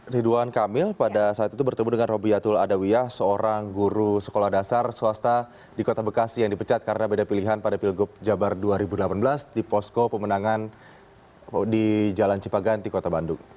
ridwan kamil pada saat itu bertemu dengan robiatul adawiyah seorang guru sekolah dasar swasta di kota bekasi yang dipecat karena beda pilihan pada pilgub jabar dua ribu delapan belas di posko pemenangan di jalan cipaganti kota bandung